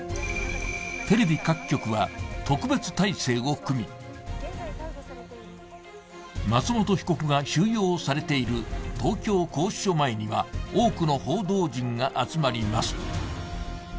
テレビ各局は特別態勢を組み松本被告が収容されている東京拘置所前には多くの報道陣が集まります